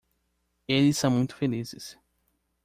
Eles são muito felizes